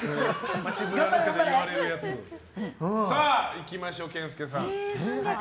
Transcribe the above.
いきましょう、健介さん。